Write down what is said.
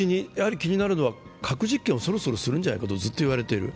核実験をそろそろするんじゃないかとずっと言われている。